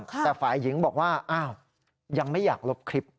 แต่ฝ่ายหญิงบอกว่าอ้าวยังไม่อยากลบคลิป